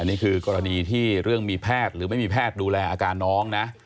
นี่คือกรณีที่เรื่องมีแพทย์หรือไม่มีแพทย์ดูแลอาการน้องนะ